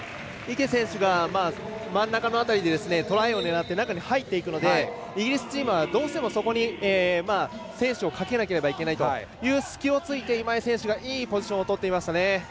池選手が真ん中の辺りでトライを狙って中に入っていくのでイギリスチームはどうしてもそこに選手をかけなければいけないという隙を突いて今井選手がいいポジションをとっていました。